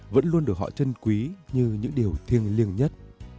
vẫn luôn được họ chân quý như những điều thiêng liêng nhất